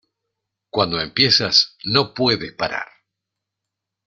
Cuando empiezas, no puedes parar.